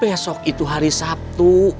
besok itu hari sabtu